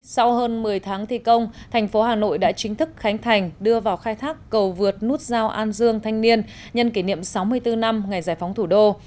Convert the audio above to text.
sau hơn một mươi tháng thi công thành phố hà nội đã chính thức khánh thành đưa vào khai thác cầu vượt nút giao an dương thanh niên nhân kỷ niệm sáu mươi bốn năm ngày giải phóng thủ đô